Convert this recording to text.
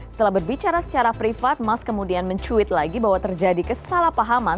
setelah berbicara secara privat mas kemudian mencuit lagi bahwa terjadi kesalahpahaman